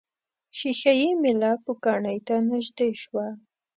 ښيښه یي میله پوکڼۍ ته نژدې شوه.